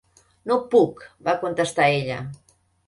"No puc", va contestar ella.